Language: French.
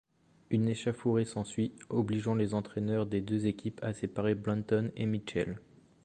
Une échauffourée s'ensuit, obligeant les entraîneurs des deux équipes à séparer Blanton et Mitchell.